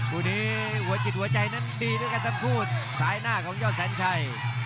คู่นี้หัวจิตหัวใจนั้นดีด้วยกันทั้งคู่สายหน้าของยอดแสนชัย